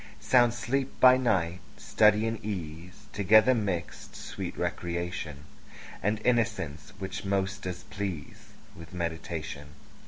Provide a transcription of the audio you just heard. Sound sleep by night; study and ease Together mixed; sweet recreation, And innocence, which most does please With meditation.